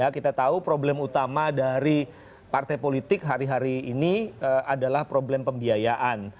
kita tahu problem utama dari partai politik hari hari ini adalah problem pembiayaan